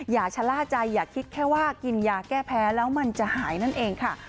อย่าชะล่าใจอย่าคิดแค่ว่ากินยาแก้แพ้แล้วมันจะหายนั่นเองค่ะ